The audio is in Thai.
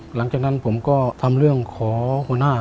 หลังจากนั้นผมก็ทำเรื่องขอหัวหน้า